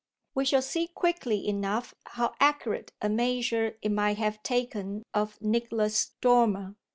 We shall see quickly enough how accurate a measure it might have taken of Nicholas Dormer.